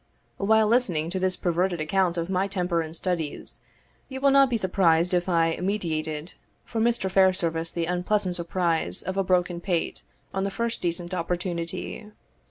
While listening to this perverted account of my temper and studies, you will not be surprised if I meditated for Mr. Fairservice the unpleasant surprise of a broken pate on the first decent opportunity.